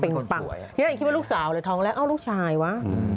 เป็นคนป่าวทีนี้เราคิดว่าลูกสาวเลยท้องแล้วอ้าวลูกชายวะ